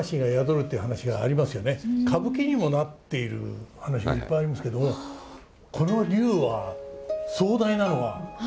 歌舞伎にもなっている話いっぱいありますけどこの龍は壮大なのは相手が琵琶湖ですよ。